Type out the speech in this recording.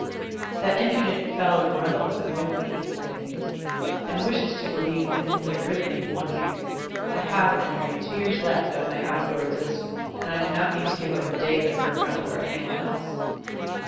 "That impudent fellow Grundle has been with me," he continued, "and wishes to make me believe that he can get rid of me in one year. I have, at any rate, two years left of my out of door existence, and I do not mean to give up a day of it for Grundle or any one else."